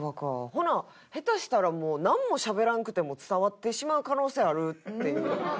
ほな下手したらもうなんも喋らんくても伝わってしまう可能性あるっていう。